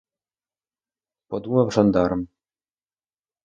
— подумав жандарм.